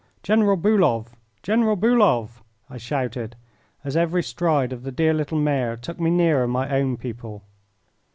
"General Bulow! General Bulow!" I shouted, as every stride of the dear little mare took me nearer my own people.